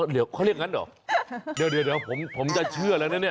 เดี๋ยวเขาเรียกงั้นเหรอเดี๋ยวผมจะเชื่อแล้วนะเนี่ย